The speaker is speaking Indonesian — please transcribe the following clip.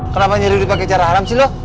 kenapa nyari nyari pake cara haram sih lo